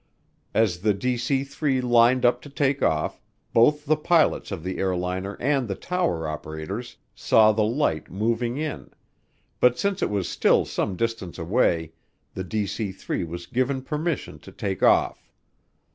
As the DC 3 lined up to take off, both the pilots of the airliner and the tower operators saw the light moving in, but since it was still some distance away the DC 3 was given permission to take off.